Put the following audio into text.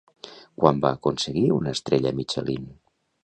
Quan va aconseguir una estrella Michelin?